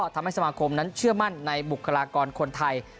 ทำให้สมาคมนั้นเชื่อมั่นในบุคลากรคนไทย